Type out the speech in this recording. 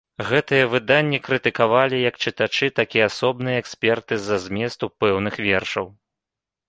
Гэтыя выданні крытыкавалі як чытачы, так і асобныя эксперты з-за зместу пэўных вершаў.